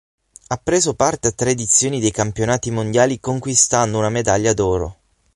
Ha preso parte a tre edizioni dei campionati mondiali conquistando una medaglia d'oro.